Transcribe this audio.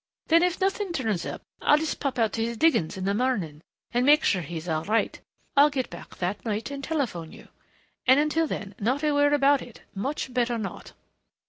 Then if nothing turns up I'll just pop out to his diggings in the morning and make sure he's all right.... I'll get back that night and telephone you. And until then, not a word about it. Much better not."